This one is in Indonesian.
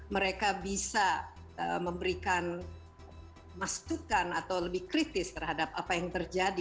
mereka bisa memberikan masukan atau lebih kritis terhadap apa yang terjadi